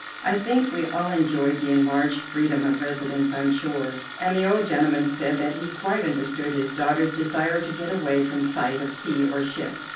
I think we all enjoyed the enlarged freedom of residence on shore, and the old gentleman said that he quite understood his daughter's desire to get away from sight of sea or ship.